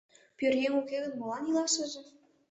Пӧръеҥ уке гын, молан илашыже?